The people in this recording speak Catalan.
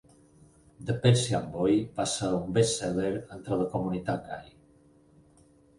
The Persian Boy va ser un best-seller entre la comunitat gai.